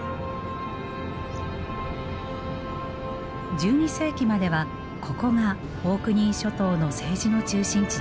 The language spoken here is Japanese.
１２世紀まではここがオークニー諸島の政治の中心地でした。